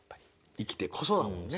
生きてこそだもんね。